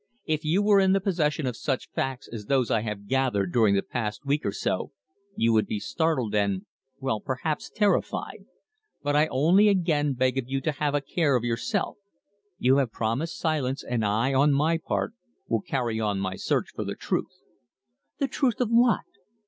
"If you were in the possession of such facts as those I have gathered during the past week or so, you would be startled and well, perhaps terrified. But I only again beg of you to have a care of yourself. You have promised silence, and I, on my part, will carry on my search for the truth." "The truth of what?"